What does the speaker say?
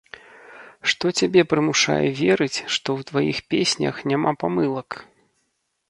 Што цябе прымушае верыць, што ў тваіх песнях няма памылак?